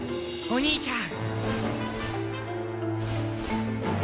お兄ちゃん！